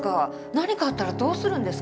何かあったらどうするんですか？